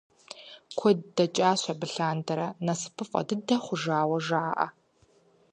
Куэд дэкӏащ абы лъандэрэ, насыпыфӏэ дыдэ хъужауэ жаӏэ.